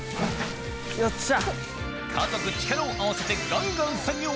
よっしゃ！